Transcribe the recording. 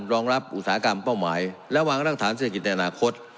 รองรับอุตสาหกรรมเป้าหมายและวางรากฐานเศรษฐกิจในอนาคต